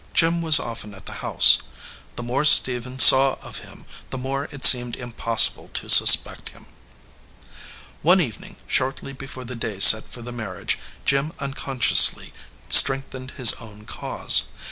Jim was often at the house. The more Stephen saw of him, the more it seemed impossible to suspect him. One evening shortly before the day set for the marriage, Jim unconsciously strengthened his own cause.